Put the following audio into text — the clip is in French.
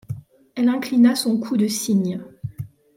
Elle inclina son cou de cygne